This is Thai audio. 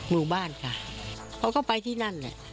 มือบ้านค่ะเขาก็ไปที่นั่น